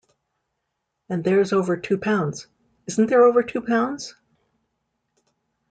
“And there’s over two pounds — isn’t there over two pounds”?